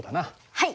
はい。